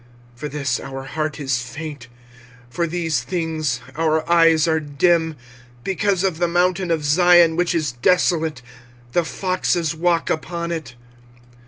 25:005:017 For this our heart is faint; for these things our eyes are dim. 25:005:018 Because of the mountain of Zion, which is desolate, the foxes walk upon it.